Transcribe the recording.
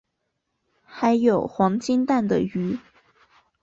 还有黄金蛋的鱼